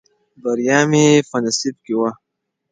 بریا مې په نصیب کې وه.